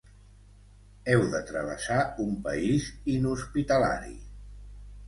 Heu de travessar un país inhospitalari.